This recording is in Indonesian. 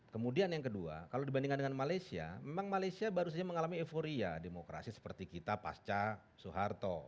kemudian yang kedua kalau dibandingkan dengan malaysia memang malaysia baru saja mengalami euforia demokrasi seperti kita pasca soeharto